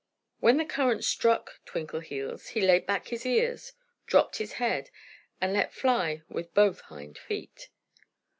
When the currant struck Twinkleheels he laid back his ears, dropped his head, and let fly with both hind feet.